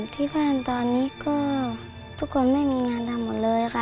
ที่บ้านตอนนี้ก็ทุกคนไม่มีงานทำหมดเลยค่ะ